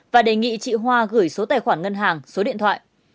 và đề nghị chị hoa gửi số tài khoản ngân hàng số điện thoại